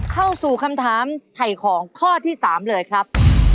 เข้าสู่คำถามไถ่ของข้อที่๓เลยครับ